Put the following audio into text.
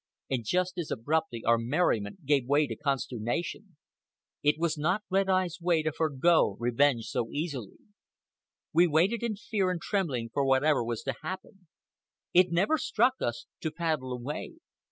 And just as abruptly our merriment gave way to consternation. It was not Red Eye's way to forego revenge so easily. We waited in fear and trembling for whatever was to happen. It never struck us to paddle away.